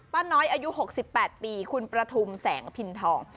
ป้าน้อยอายุ๖๘ปีคุณประทุมแสงพินทอง